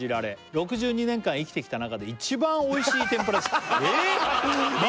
「６２年間生きてきた中で一番おいしい天ぷらでした」え！？